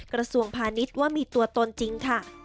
กระทรวงพาณิชย์ว่ามีตัวตนจริงค่ะ